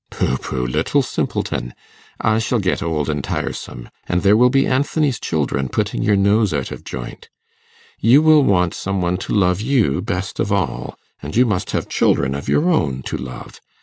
'Pooh, pooh, little simpleton. I shall get old and tiresome, and there will be Anthony's children putting your nose out of joint. You will want some one to love you best of all, and you must have children of your own to love.